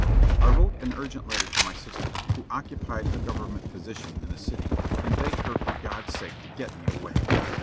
I wrote an urgent letter to my sister, who occupied a Government position in the city, and begged her for God's sake to get me away.